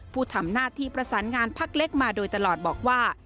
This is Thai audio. ผู้ทำหน้าที่ประสานงานพักเล็กมาโดยตลอดบอกว่า